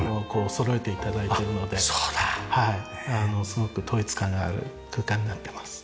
すごく統一感がある空間になってます。